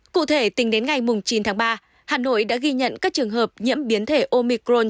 cụ thể tính đến ngày chín tháng ba hà nội đã ghi nhận các trường hợp nhiễm biến thể omicron